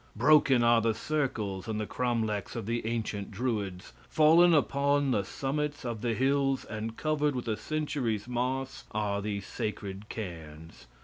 Broken are the circles and cromlechs of the ancient Druids; fallen upon the summits of the hills, and covered with the centuries' moss, are the sacred cairns.